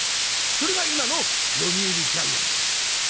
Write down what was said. それが今の読売ジャイアンツなんですよ。